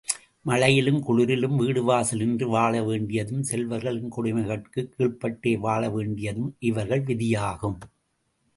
மழையிலும் குளிரிலும் வீடுவாசலின்றி வாழவேண்டியதும், செல்வர்களின் கொடுமைகட்குக் கீழ்ப்பட்டே வாழவேண்டியதும் இவர்கள் விதியாகும்.